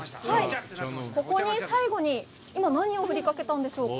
ここに、最後に今、何を振りかけたんでしょうか。